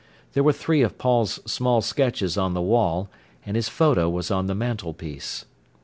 There were three of Paul's small sketches on the wall, and his photo was on the mantelpiece.